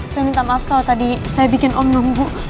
saya minta maaf kalau tadi saya bikin om bu